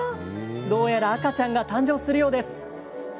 どうやら赤ちゃんが誕生するようです。